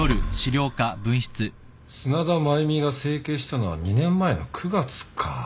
砂田繭美が整形したのは２年前の９月か。